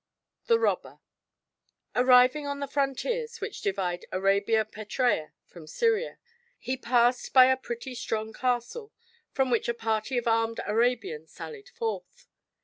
THE ROBBER Arriving on the frontiers which divide Arabia Petraea from Syria, he passed by a pretty strong castle, from which a party of armed Arabians sallied forth.